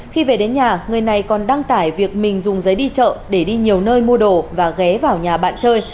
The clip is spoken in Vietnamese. khi về đến nhà người này còn đăng tải việc mình dùng giấy đi chợ để đi nhiều nơi mua đồ và ghé vào nhà bạn chơi